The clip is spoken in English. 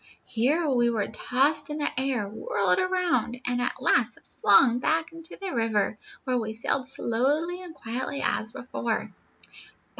Here we were tossed in the air, whirled around, and at last flung back into the river, where we sailed slowly and quietly as before.